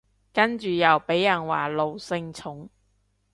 跟住又被人話奴性重